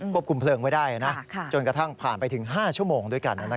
คุมเพลิงไว้ได้จนกระทั่งผ่านไปถึง๕ชั่วโมงด้วยกัน